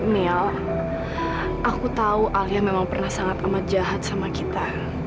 mial aku tahu alia memang pernah sangat amat jahat sama kita